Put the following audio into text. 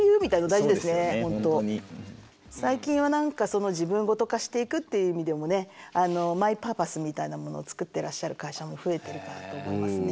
最近は何かその自分ゴト化していくっていう意味でもねマイパーパスみたいなものを作ってらっしゃる会社も増えてるかなと思いますね。